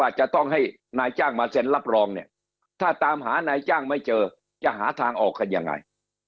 จะต้องให้นายจ้างมาเซ็นรับรองเนี่ยถ้าตามหานายจ้างไม่เจอจะหาทางออกกันยังไง